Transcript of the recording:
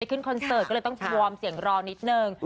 ได้ขึ้นคอนเสิร์ตก็เลยต้องพรวมเสียงร้อนิดนึง